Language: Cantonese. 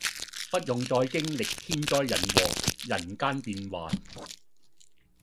不用再經歷天災人禍，人間幻變